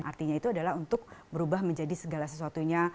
artinya itu adalah untuk berubah menjadi segala sesuatunya